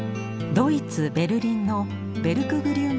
ドイツベルリンのベルクグリューン